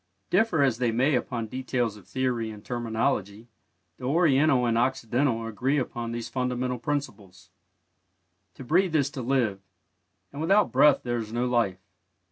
Differ as they may upon details of theory and terminology, the Oriental and the Occidental agree upon these fundamental principles. To breathe is to live, and without breath there is no life.